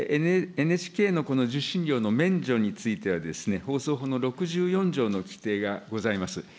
ＮＨＫのこの受信料の免除については、放送法の６４条の規定がございます。